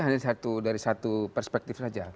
hanya satu dari satu perspektif saja